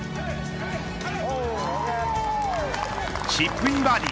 チップインバーディ。